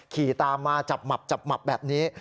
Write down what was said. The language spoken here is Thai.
ขี่ตามมาจับหมับจับหมับแบบนี้